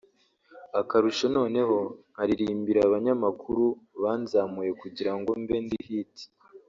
Akarusho noneho nkaririmbira abanyamakuru banzamuye kugira ngo mbe ndi Hit